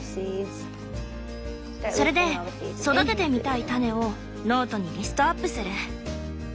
それで育ててみたい種をノートにリストアップする。